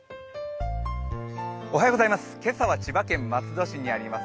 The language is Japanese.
今朝は千葉県松戸市にあります